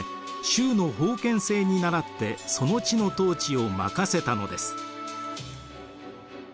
周の封建制に倣ってその地の統治を任せたのです。